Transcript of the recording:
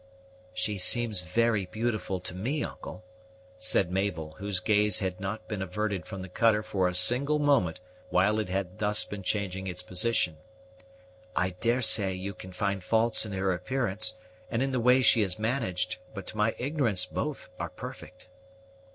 "She seems very beautiful to me, uncle," said Mabel, whose gaze had not been averted from the cutter for a single moment while it had thus been changing its position; "I daresay you can find faults in her appearance, and in the way she is managed; but to my ignorance both are perfect."